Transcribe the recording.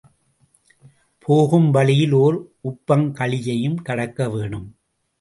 போகும் வழியில் ஓர் உப்பங்கழியையும் கடக்கவேனும்.